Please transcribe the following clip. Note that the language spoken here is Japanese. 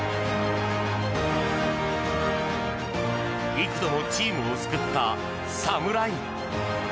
幾度もチームを救った侍！